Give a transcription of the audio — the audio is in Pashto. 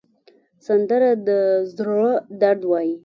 سندره د زړه درد وایي